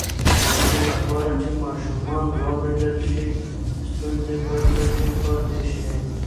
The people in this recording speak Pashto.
د دې لپاره چې ماشومان واورېدل شي، ستونزې به پټې پاتې نه شي.